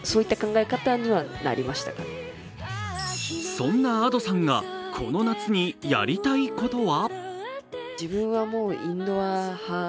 そんなＡｄｏさんがこの夏にやりたいことは？